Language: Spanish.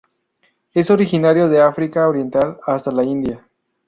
Es originario de África Oriental hasta la India.